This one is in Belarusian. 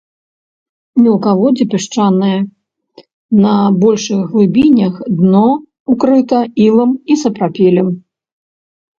Мелкаводдзе пясчанае, на большых глыбінях дно укрыта ілам і сапрапелем.